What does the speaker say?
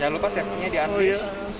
jangan lupa saya punya di unleash